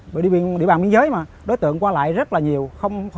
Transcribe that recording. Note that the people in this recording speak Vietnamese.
bởi vì địa bàn biên giới mà đối tượng qua lại rất là nhiều không